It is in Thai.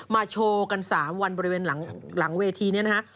โชว์กัน๓วันบริเวณหลังเวทีนี้นะฮะ